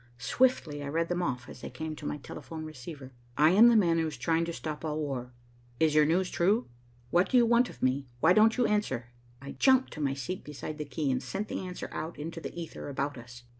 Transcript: Swiftly I read them off, as they came to my telephone receiver. "I am the man who is trying to stop all war. Is your news true? What do you want of me? Why don't you answer?" I jumped to my seat beside the key, and sent the answer out into the ether about us.